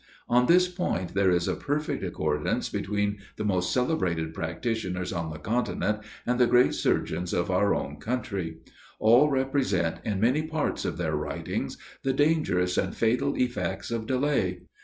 On this point there is a perfect accordance between the most celebrated practitioners on the continent, and the great surgeons of our own country: all represent, in many parts of their writings, the dangerous and fatal effects of delay.